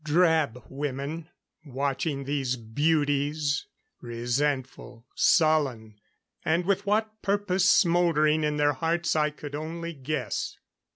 Drab women, watching these beauties, resentful, sullen and with what purpose smouldering in their hearts I could only guess.